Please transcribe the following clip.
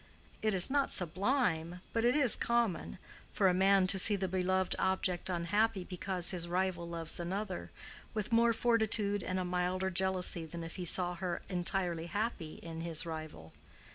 It is not sublime, but it is common, for a man to see the beloved object unhappy because his rival loves another, with more fortitude and a milder jealousy than if he saw her entirely happy in his rival.